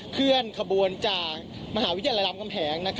เคลื่อนขบวนจากมหาวิทยาลัยรามคำแหง